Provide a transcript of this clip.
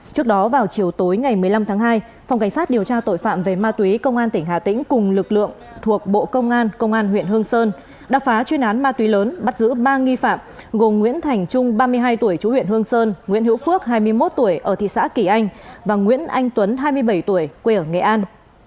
trước đó vào chiều tối ngày một mươi năm tháng hai phòng cảnh sát điều tra tội phạm về ma túy công an tỉnh hà tĩnh cùng lực lượng thuộc bộ công an công an huyện hương sơn đã phá chuyên án ma túy lớn bắt giữ ba nghi phạm gồm nguyễn thành trung ba mươi hai tuổi chú huyện hương sơn nguyễn hữu phước hai mươi một tuổi ở thị xã kỳ anh và nguyễn anh tuấn hai mươi bảy tuổi quê ở nghệ an